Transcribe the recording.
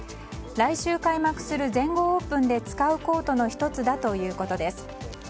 来週開幕する全豪オープンで使うコートの１つだということです。